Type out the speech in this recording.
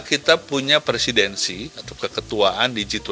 dua ribu dua puluh dua kita punya presidensi atau keketuaan di g dua puluh gitu